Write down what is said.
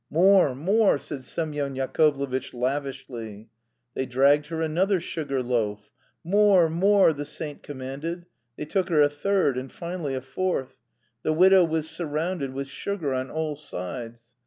"More, more," said Semyon Yakovlevitch lavishly. They dragged her another sugar loaf. "More, more!" the saint commanded. They took her a third, and finally a fourth. The widow was surrounded with sugar on all sides.